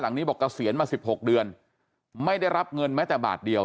นี้บอกเกษียณมาสิบหกเดือนไม่ได้รับเงินแม้แต่บาทเดียว